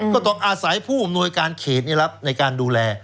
ก็ต้องอาศัยผู้อำนวยการเขตในการดูแล